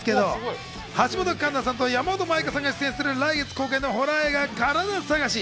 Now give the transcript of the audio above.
橋本環奈さんと山本舞香さんが出演する来月公開のホラー映画『カラダ探し』。